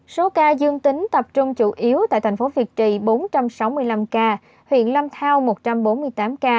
số ca dương tính tập trung chủ yếu tại thành phố việt trì bốn trăm sáu mươi năm ca huyện lâm thao một trăm bốn mươi tám ca